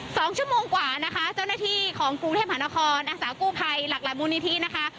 สองชั่วโมงกว่านะคะเจ้าหน้าที่ของกรุงเทพหานครอาสากู้ภัยหลากหลายมูลนิธินะคะ